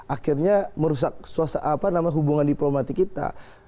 akhirnya merusak suasa apa nama hubungan diplomatik kita